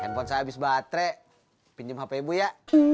telepon saya habis baterai pinjem hp bu ya